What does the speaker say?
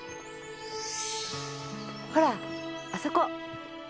ほらあそこ！